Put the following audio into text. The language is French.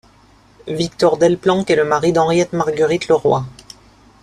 Victor Delplanque est le mari d'Henriette Marguerite Leroy.